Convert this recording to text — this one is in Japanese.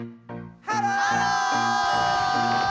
ハロー！